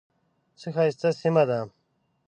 څه ښایسته سیمه ده .